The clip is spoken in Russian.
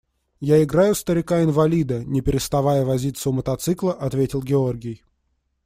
– Я играю старика инвалида, – не переставая возиться у мотоцикла, ответил Георгий.